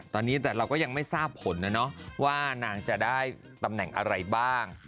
ตอนนี้แต่เราก็ยังไม่ทราบผลนะเนาะว่านางจะได้ตำแหน่งอะไรบ้าง